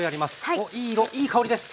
おっいい色いい香りです。